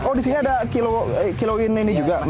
oh di sini ada kiloin ini juga